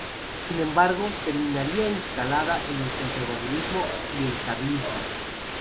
Sin embargo, terminaría instalada en el conservadurismo y el carlismo.